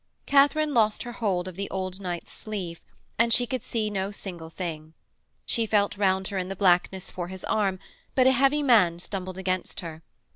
Katharine lost her hold of the old knight's sleeve, and she could see no single thing. She felt round her in the blackness for his arm, but a heavy man stumbled against her.